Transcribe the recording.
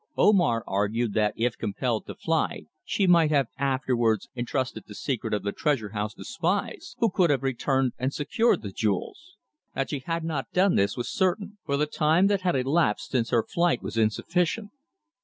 Omar argued that if compelled to fly she might have afterwards entrusted the secret of the Treasure house to spies, who could have returned and secured the jewels. That she had not done this was certain, for the time that had elapsed since her flight was insufficient.